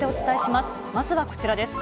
まずはこちらです。